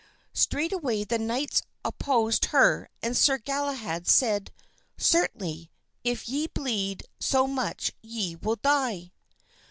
Straightway the knights opposed her and Sir Galahad said, "Certainly, if ye bleed so much ye will die."